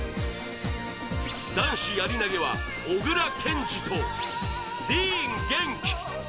男子やり投は小椋健司とディーン元気。